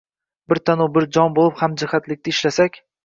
Bir tanu bir jon boʻlib, hamjihatlikda ishlasak.